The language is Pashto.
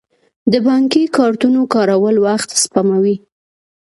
د بانکي کارتونو کارول وخت سپموي.